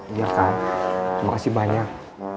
iya kang terima kasih banyak